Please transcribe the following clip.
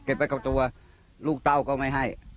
เคยไปกับตัวว่าลูกเต้าก็ไข่